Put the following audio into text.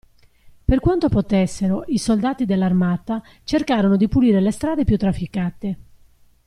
Per quanto potessero, i soldati dell'armata cercarono di pulire le strade più trafficate.